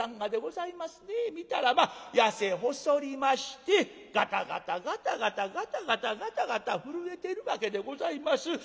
見たらまあ痩せ細りましてガタガタガタガタガタガタガタガタ震えてるわけでございます。